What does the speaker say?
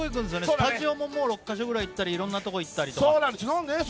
スタジオも６か所ぐらい行ったり、いろんなところに行ったりと。